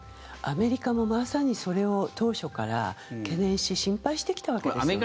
アメリカもまさにそれを当初から懸念し心配してきたわけですよね。